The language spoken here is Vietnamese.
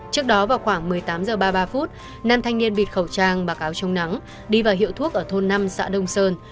trước đó vào khoảng một mươi tám h ba mươi ba nam thanh niên bịt khẩu trang mặc áo chống nắng đi vào hiệu thuốc ở thôn năm xã đông sơn